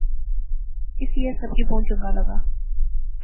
اس ایہہ سب کی بہوں چنگا لاغا